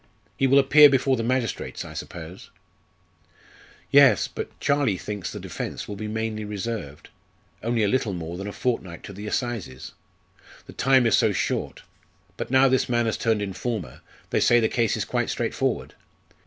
He will appear before the magistrates, I suppose." "Yes; but Charlie thinks the defence will be mainly reserved. Only a little more than a fortnight to the assizes! The time is so short. But now this man has turned informer, they say the case is quite straightforward.